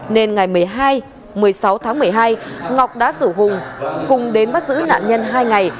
nên ngày một mươi hai một mươi sáu tháng một mươi hai ngọc đã rủ hùng cùng đến bắt giữ nạn nhân hai ngày